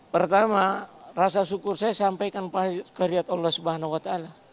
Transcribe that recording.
pertama rasa syukur saya sampaikan pada karyat allah swt